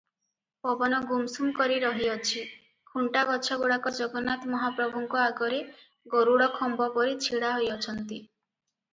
ପବନ ଗୁମସୁମ କରି ରହିଅଛି, ଖୁଣ୍ଟା ଗଛଗୁଡ଼ାକ ଜଗନ୍ନାଥ ମହାପ୍ରଭୁଙ୍କ ଆଗରେ ଗରୁଡ଼ଖମ୍ବ ପରି ଛିଡ଼ା ହୋଇଅଛନ୍ତି ।